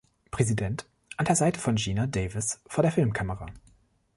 President" an der Seite von Geena Davis vor der Filmkamera.